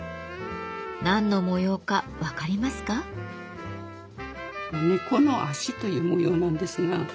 何の模様か分かりますか？という模様なんですが。